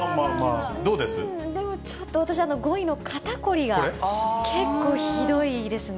でもちょっと、私、５位の肩凝りが結構ひどいですね。